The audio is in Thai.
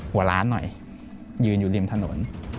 หัวล้านหน่อยยืนอยู่ริมถนน